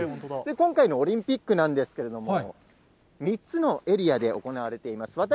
今回のオリンピックなんですけれども、３つのエリアで行われています。